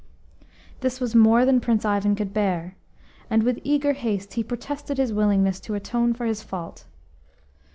This was more than Prince Ivan could bear, and with eager haste he protested his willingness to atone for his fault.